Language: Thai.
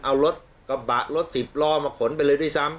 เอารถกระบะรถสิบล้อมาขนไปเลยด้วยซ้ำ